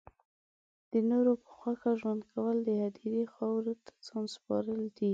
د نورو په خوښه ژوند کول د هدیرې خاورو ته ځان سپارل دی